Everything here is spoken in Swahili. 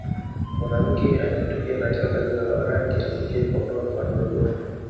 Mwanamke anayetokea katika kabila la Warangi wanaotokea Kondoa mkoani Dodoma